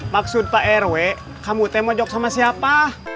maksud pak rw kamu temojok sama siapa